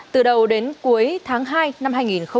từ đầu đến cuối tháng hai năm hai nghìn hai mươi